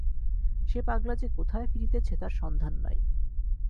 সে পাগলা যে কোথায় ফিরিতেছে তার সন্ধান নাই।